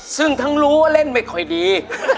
ซึ่งทั้งรู้ว่าเล่นไม่ค่อยดี